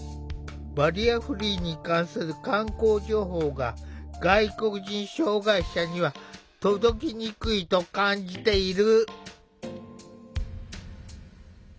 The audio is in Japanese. バリアフリーに関する観光情報が外国人障害者には届きにくいと感じている。